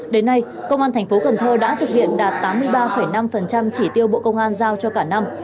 đến nay công an thành phố cần thơ đã thực hiện đạt tám mươi ba năm chỉ tiêu bộ công an giao cho cả năm